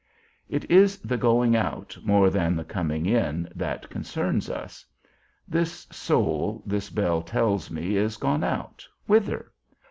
It is the going out, more than the coming in, that concerns us. This soul this bell tells me is gone out, whither?